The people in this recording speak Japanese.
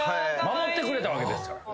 守ってくれたわけですから。